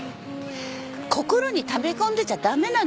心にためこんでちゃ駄目なのよ。